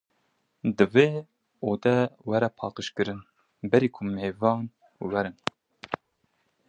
Divê ode were paqij kirin, berî ku mêvan werin